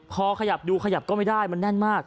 พอขยับดูขยับก็ไม่ได้มันแน่นมาก